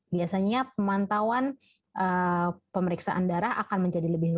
biasanya pemantauan pemeriksaan darah akan menjadi lebih baik